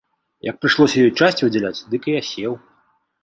Як прыйшлося ёй часць выдзяляць, дык і асеў.